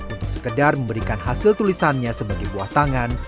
untuk sekedar memberikan hasil tulisannya sebagai buah tangan